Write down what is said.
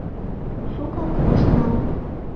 Шукак ышт нал.